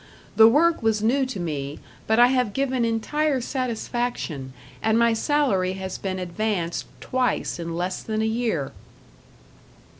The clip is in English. The work was new to me, but I have given entire satisfaction, and my salary has been advanced twice in less than a year."